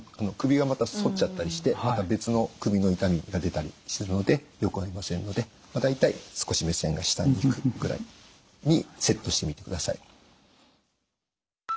首がまた反っちゃったりしてまた別の首の痛みが出たりするのでよくありませんのでまあ大体少し目線が下に行くぐらいにセットしてみてください。